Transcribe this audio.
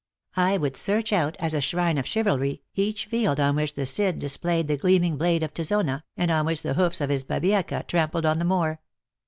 I would search out, as a shrine of chivalry, each field on which the Cid dis played the gleaming blade of Tizona, and on which the hoofs of his Babieca trampled on the Moor.